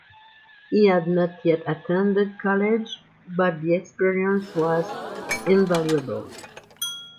He had not yet attended college but the experience was invaluable.